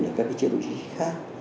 trong các cái chế độ chính khác